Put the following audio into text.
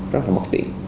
rất là mất tiện